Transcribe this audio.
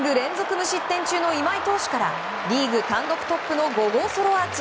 無失点中の今井投手からリーグ単独トップの５号ソロアーチ。